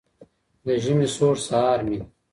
د ژمي سوړ سهار مي